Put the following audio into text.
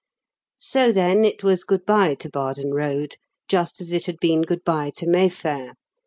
So then, it was good bye to Bardon Road, just as it had been good bye to Mayfair.